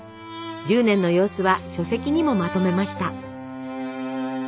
１０年の様子は書籍にもまとめました。